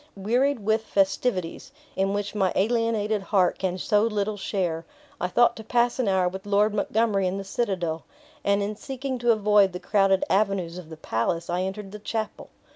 Wearied with festivities, in which my alienated heart can so little share, I thought to pass an hour with Lord Montgomery in the citadel; and in seeking to avoid the crowded avenues of the palace, I entered the chapel.